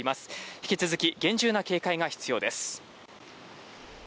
引き続き厳重な警戒が必要です。